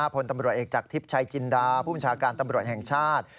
พลตำรวจเอกจากทิพย์ชัยจินดาผู้บัญชาการตำรวจแห่งชาติ